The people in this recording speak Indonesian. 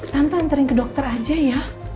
tante sering ke dokter aja ya